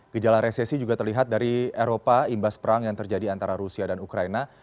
gejala resesi juga terlihat dari eropa imbas perang yang terjadi antara rusia dan ukraina